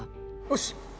よし。